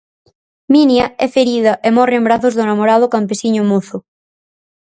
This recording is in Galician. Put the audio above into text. Minia é ferida e morre en brazos do namorado campesiño mozo.